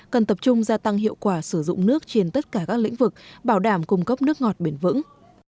cần tập trung gia tăng hiệu quả sử dụng nước trên tất cả các lĩnh vực bảo đảm cung cấp nước ngọt bền vững